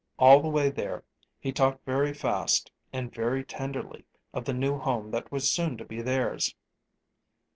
All the way there he talked very fast and very tenderly of the new home that was soon to be theirs.